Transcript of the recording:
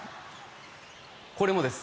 これもです。